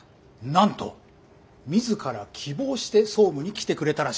なんと自ら希望して総務に来てくれたらしい。